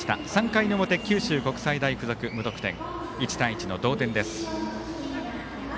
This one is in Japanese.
３回の表、九州国際大付属無得点１対１の同点です。